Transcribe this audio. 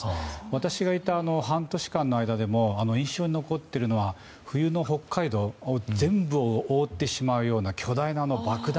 私がいた半年間の間でも印象に残っているのは冬の北海道を全部を覆ってしまうような巨大な爆弾